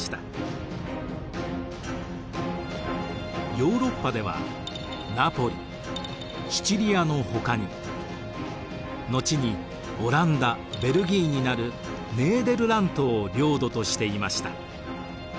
ヨーロッパではナポリシチリアのほかに後にオランダベルギーになるネーデルラントを領土としていました。